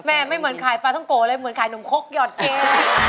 แม่ไม่เหมือนขายปลาทังโกะเลยเหมือนขายนมโค๊กหยอดเกลียด